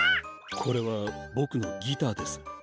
これはボクのギターです。